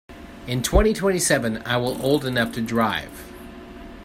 In twenty-twenty-seven I will old enough to drive.